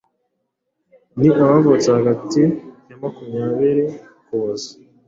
ni abavutse hagati ya makumyabiri Ukuboza